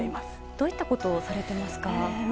どういったことをされていますか？